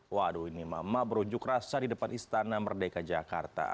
waduh ini emak emak berujuk rasa di depan istana merdeka jakarta